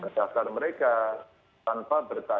pada saat mereka menanggung kewajiban mereka